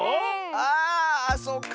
ああそっか。